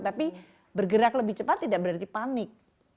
tapi bergerak lebih cepat tidak berarti panik